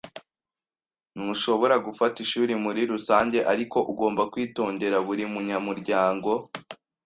Ntushobora gufata ishuri muri rusange, ariko ugomba kwitondera buri munyamuryango.